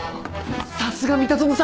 さすが三田園さん！